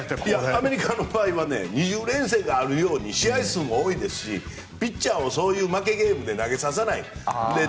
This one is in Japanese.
アメリカの場合は２０連戦があるように試合数も多いですしピッチャーも負けゲームで投げさせない。